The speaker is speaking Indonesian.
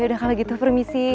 udah kalau gitu permisi